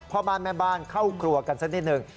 พ่อบ้านแม่บ้านเข้าครัวกันสักนิดหนึ่ง